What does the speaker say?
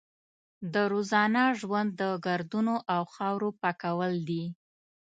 د روزانه ژوند د ګردونو او خاورو پاکول دي.